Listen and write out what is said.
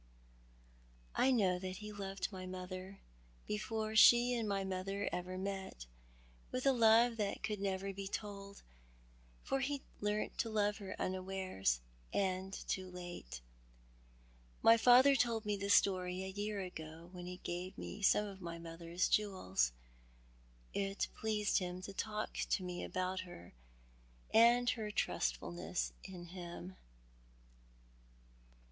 " I know that he loved my mother, before she and my father ever met, with a love that could never be told, for he learnt to love her nnawares— and too late. My father told me the story a year ago when he gave me some of my mother's jewels. It pleased him to talk to me about her, and her trustfulness in him."